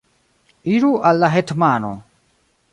Iru al la hetmano!